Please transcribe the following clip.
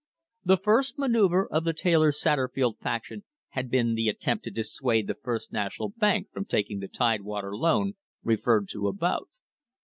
The first manoeuvre of the Taylor Satterfield faction had been the attempt to dissuade the First National Bank from taking the Tidewater loan referred to above.